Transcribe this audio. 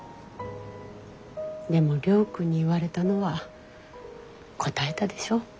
でも亮君に言われたのはこたえたでしょ。